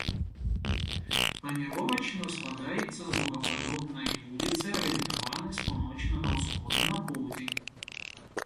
Планіровачна складаецца з дугападобнай вуліцы, арыентаванай з паўночнага ўсходу на поўдзень.